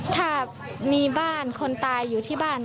ถ้ามีบ้านคนตายอยู่ที่บ้าน